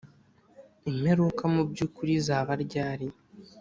imperuka mu by ukuri izaba ryari